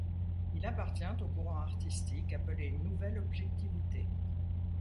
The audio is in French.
Il appartient au courant artistique appelé Nouvelle Objectivité.